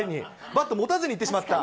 バットを持たずに行ってしまった。